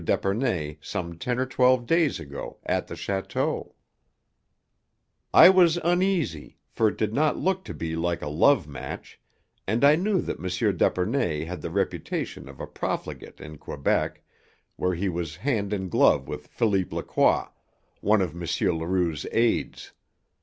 d'Epernay some ten or twelve days ago at the château. "I was uneasy, for it did not look to be like a love match, and I knew that M. d'Epernay had the reputation of a profligate in Quebec, where he was hand in glove with Philippe Lacroix, one of M. Leroux's aids.